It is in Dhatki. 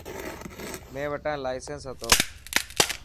مين وٽا لائيسن هتو.